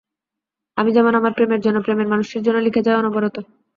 আমি যেমন আমার প্রেমের জন্য, প্রেমের মানুষটির জন্য লিখে যাই অনবরত।